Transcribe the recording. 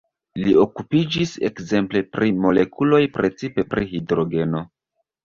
Li okupiĝis ekzemple pri molekuloj, precipe pri hidrogeno.